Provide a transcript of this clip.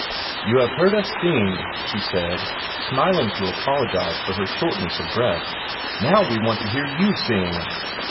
"You have heard us sing," she said, smiling to apologize for her shortness of breath. "Now we want to hear you sing!"